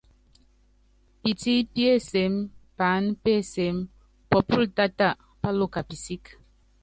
Pití pí ensem paán pé ensem, pópól táta páluka pisík.